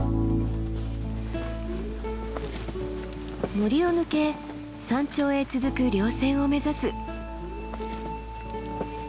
森を抜け山頂へ続く稜線を目指す。